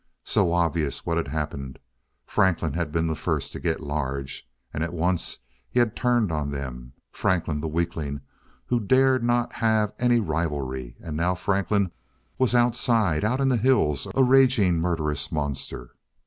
So obvious, what had happened! Franklin had been the first to get large. And at once he had turned on them. Franklin, the weakling who dared not have any rivalry! And now Franklin was outside, out in the hills, a raging, murderous monster.